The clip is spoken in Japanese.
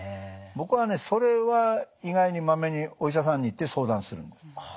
僕はねそれは意外にまめにお医者さんに行って相談するんです。